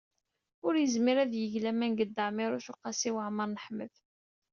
Ur yezmir ad yeg laman deg Dda Ɛmiiruc u Qasi Waɛmer n Ḥmed.